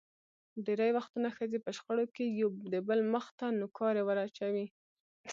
ډېری وختونه ښځې په شخړو کې یو دبل مخ ته نوکارې ور اچوي.